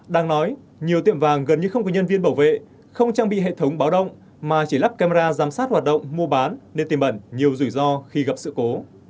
đang nói nhiều tiệm vàng gần như không có nhân viên bảo vệ không trang bị hệ thống báo động mà chỉ lắp camera giám sát hoạt động mua bán nên tìm ẩn nhiều rủi ro khi gặp sự cố